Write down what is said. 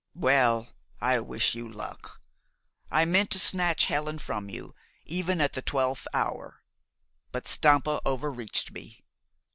"Well, I wish you luck. I meant to snatch Helen from you, even at the twelfth hour; but Stampa over reached me.